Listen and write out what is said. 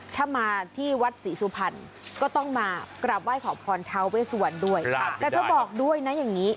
ถ้ามาที่วัดศรีสุพรรณก็ต้องมากราบไหว้ขอพรทาเวสวันด้วยแต่เธอบอกด้วยนะอย่างนี้